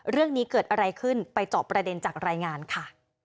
เรื่องนี้เกิดอะไรขึ้นไปเจาะประเด็นจากรายงานค่ะ